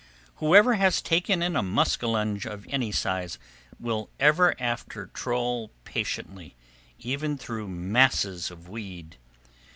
Whoever has taken in a muskellunge of any size will ever after troll patiently, even through masses of weed.